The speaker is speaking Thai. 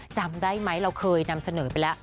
จำได้ไหมเราเคยนำเสนอไปแล้ว